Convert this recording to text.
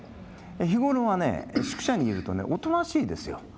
日ごろはね、宿舎にいるとおとなしいですよ。